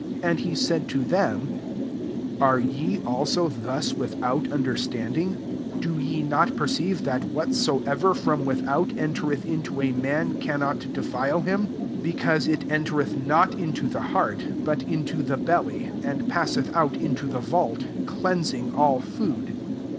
18 And he said to them, « Are ye, also, thus with out understanding ? Do ye not perceive that whatsoever from iirithout, entereth into a msm, p«mnot defile him ? 19 because it entereth not into the heart, but 8 into the b^ ; and piaaeth cmt into the vault, cleansing all food."